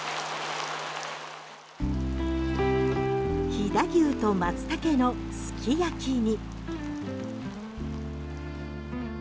飛騨牛とマツタケのすき焼きに。